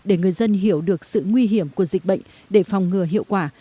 để người dân hiểu được sự nguy hiểm của dịch bệnh để phòng ngừa hiệu quả